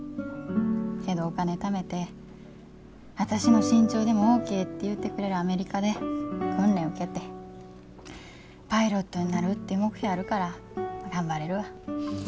けどお金ためて私の身長でもオッケーって言うてくれるアメリカで訓練受けてパイロットになるって目標あるから頑張れるわ。